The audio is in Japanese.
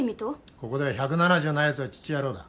ここでは１７０ないやつはチッチ野郎だ